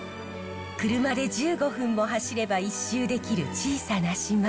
車で１５分も走れば１周できる小さな島。